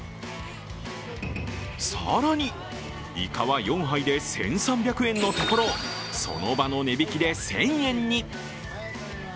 更に、イカは４杯で１３００円のところ、その場の値引きで１０００円に。